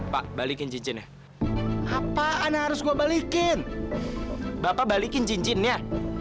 pak balikin cincinnya apaan harus gua balikin bapak balikin cincinnya